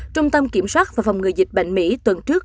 trung tâm kiểm soát và phòng ngừa dịch bệnh mỹ tuần trước